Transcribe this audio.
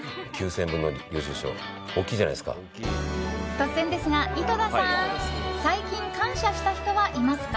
突然ですが、井戸田さん最近感謝した人はいますか？